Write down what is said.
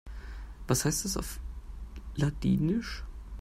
Was heißt das auf Ladinisch?